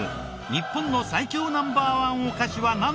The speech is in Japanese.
日本の最強Ｎｏ．１お菓子はなんなのか？